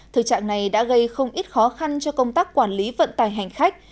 thực trạng này đã gây không ít khó khăn cho công tác quản lý vận tải hành khách